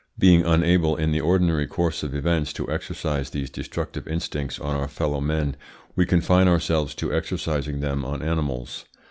Being unable, in the ordinary course of events, to exercise these destructive instincts on our fellow men, we confine ourselves to exercising them on animals.